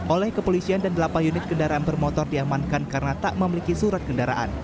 oleh kepolisian dan delapan unit kendaraan bermotor diamankan karena tak memiliki surat kendaraan